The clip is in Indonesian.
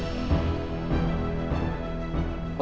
minta maaf ke bokap gue